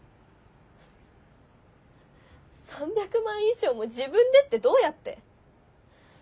３００万以上も自分でってどうやって？